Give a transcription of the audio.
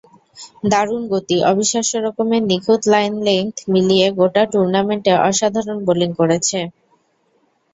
দারুণ গতি, অবিশ্বাস্য রকমের নিখুঁত লাইন-লেংথ মিলিয়ে গোটা টুর্নামেন্টে অসাধারণ বোলিং করেছে।